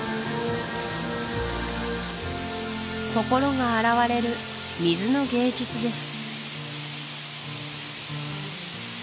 心が洗われる水の芸術です